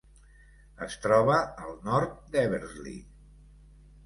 Es troba al nord d'Eversley.